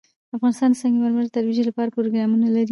افغانستان د سنگ مرمر د ترویج لپاره پروګرامونه لري.